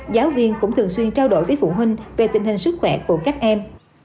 giáo viên cũng thường xuyên trao đổi với phụ huynh về tình hình sức khỏe của các em